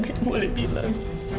gak ada yang boleh bilang